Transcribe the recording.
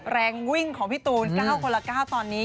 แรงวิ่งของพี่ตูน๙คนละ๙ตอนนี้